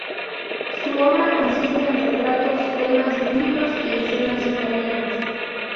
Su obra consiste en retratos, temas bíblicos y escenas italianas.